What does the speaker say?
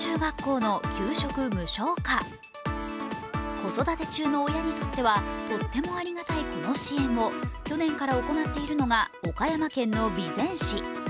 子育て中の親にとってはとってもありがたいこの支援を去年から行っているのが岡山県の備前市。